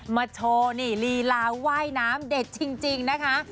โชว์นี่ลีลาว่ายน้ำเด็ดจริงนะคะ